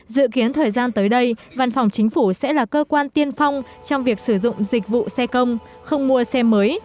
dự kiến thời gian tới đây văn phòng chính phủ sẽ là cơ quan tiên phong trong việc sử dụng dịch vụ xe công không mua xe mới